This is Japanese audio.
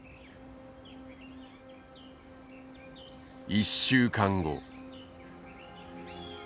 １週間後。